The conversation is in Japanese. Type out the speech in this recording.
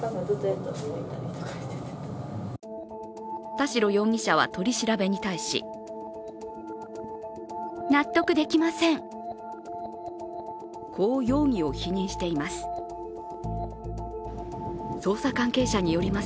田代容疑者は取り調べに対しこう容疑を否認しています。